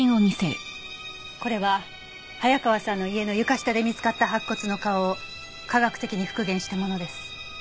これは早川さんの家の床下で見つかった白骨の顔を科学的に復元したものです。